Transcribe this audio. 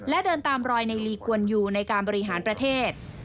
และเดินตามรอยในลีกวนอยู่ในการบริหารประเทศ